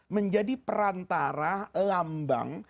menjadi perantara lambang